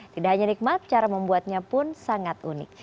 tidak hanya nikmat cara membuatnya pun sangat unik